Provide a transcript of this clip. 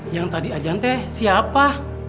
yang tadi ajan teh siapa